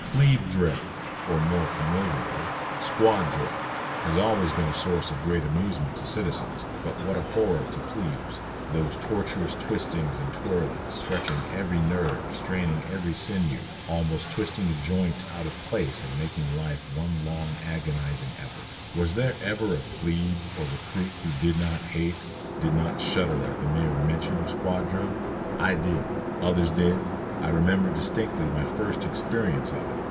"Plebe drill," or, more familiarly, "squad drill," has always been a source of great amusement to citizens, but what a horror to plebes. Those torturous twistings and twirlings, stretching every nerve, straining every sinew, almost twisting the joints out of place and making life one long agonizing effort. Was there ever a "plebe," or recruit, who did not hate, did not shudder at the mere mention of squad drill? I did. Others did. I remember distinctly my first experience of it.